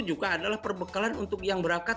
juga adalah perbekalan untuk yang berangkat